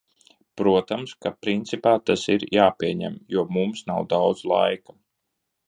Protams, ka principā tas ir jāpieņem, jo mums nav daudz laika.